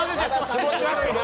気持ち悪いな。